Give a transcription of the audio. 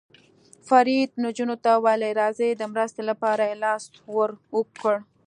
فرید نجونو ته وویل: راځئ، د مرستې لپاره یې لاس ور اوږد کړ.